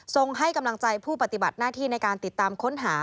ให้กำลังใจผู้ปฏิบัติหน้าที่ในการติดตามค้นหา